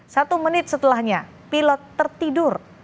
satu menit setelahnya pilot tertidur